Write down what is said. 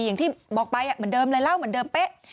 อย่างที่บอกไปเหมือนเดิมเลยเล่าเหมือนเดิมเป๊ะ